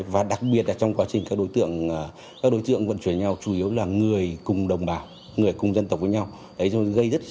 và đặc biệt trong quá trình các đối tượng vận chuyển nhau chủ yếu là người cùng đồng bào người cùng dân tộc với nhau gây rất khó khăn trong công tác đấu tranh